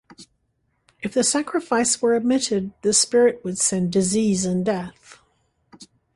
If the sacrifice were omitted the spirit would send disease and death.